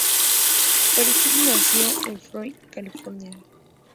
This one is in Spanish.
Price nació en Fowler, California.